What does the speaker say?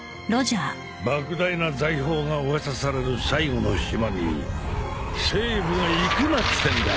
・莫大な財宝が噂される最後の島に政府が行くなっつってんだ。